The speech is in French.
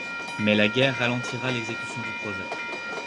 Mais la guerre ralentira l'exécution du projet.